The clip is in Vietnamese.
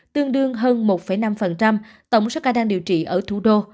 tương đương hơn một năm tổng số ca đang điều trị ở thủ đô